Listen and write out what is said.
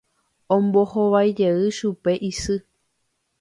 Ombohovaijey chupe isy.